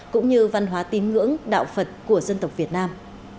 cũng như văn hóa tín ngưỡng đạo phật của dân tộc việt nam